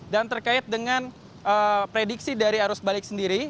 dan terkait dengan prediksi dari arus balik sendiri